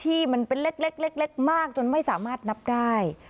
ที่มันเป็นเล็กมากจนไม่สามารถนับได้